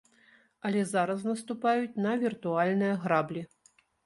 Але зараз наступаюць на віртуальныя граблі.